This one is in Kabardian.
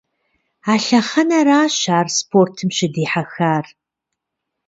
А лъэхъэнэращ ар спортым щыдихьэхар.